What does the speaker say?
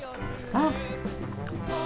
あっ。